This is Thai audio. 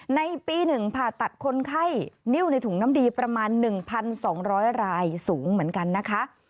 ในปี๑ผ่าตัดคนไข้นิ้วในถุงน้ำดีประมาณ๑๒๐๐รายสูงเหมือนกันนะคะ